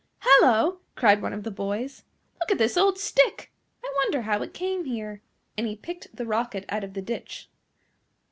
"Hallo!" cried one of the boys, "look at this old stick! I wonder how it came here;" and he picked the Rocket out of the ditch.